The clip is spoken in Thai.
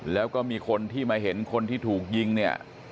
แล้วก็มีคนที่มาเห็นคนที่ถูกยิงเนี่ย